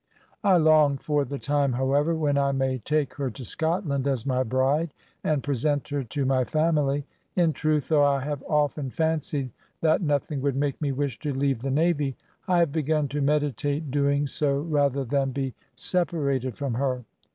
"I long for the time, however, when I may take her to Scotland as my bride and present her to my family. In truth, though I have often fancied that nothing would make me wish to leave the navy, I have begun to meditate doing so rather than be separated from her.